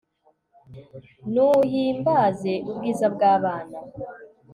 Nuhimbaze ubwiza bwabana